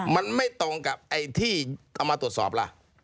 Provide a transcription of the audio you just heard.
มันไม่ตรงกับไอ้ที่เอามาตรวจสอบล่ะ